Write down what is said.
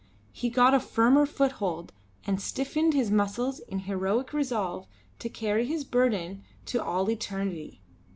He got a firmer foothold and stiffened his muscles in heroic resolve to carry his burden to all eternity.